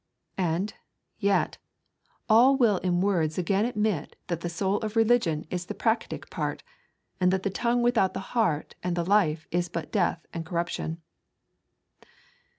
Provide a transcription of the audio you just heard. And, yet, all will in words again admit that the soul of religion is the practick part, and that the tongue without the heart and the life is but death and corruption.